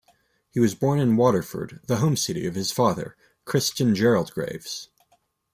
He was born in Waterford, the home city of his father, Christen Gerald Graves.